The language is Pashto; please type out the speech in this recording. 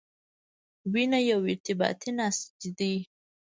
وینه یو ارتباطي نسج دی.